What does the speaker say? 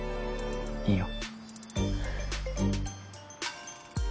いいよ。